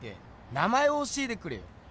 名前を教えてくれよ。